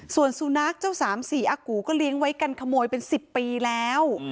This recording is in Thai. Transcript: ส่วนสุนัขเจ้าสามสี่อากูก็เลี้ยงไว้กันขโมยเป็น๑๐ปีแล้ว